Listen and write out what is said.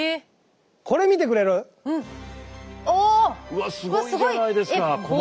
うわすごいじゃないですか細かい。